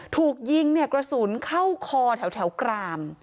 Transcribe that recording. ถูกยิงเนี่ยกระสุนเข้าคอแถวกราม